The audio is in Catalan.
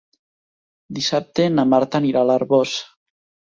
Dissabte na Marta anirà a l'Arboç.